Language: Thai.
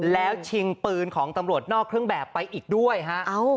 แล้วชิงปืนของตำรวจนอกเครื่องแบบไปอีกด้วยฮะ